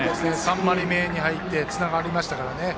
３回り目に入ってつながりましたからね。